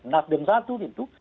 nasdem satu gitu